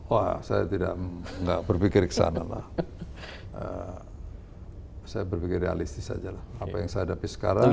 wah saya tidak berpikir kesana lah saya berpikir realistis saja lah apa yang saya hadapi sekarang